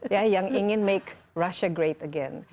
ya yang ingin make rusia great again